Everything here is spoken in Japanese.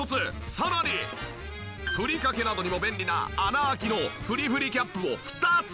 さらにふりかけなどにも便利な穴開きのふりふりキャップを２つ。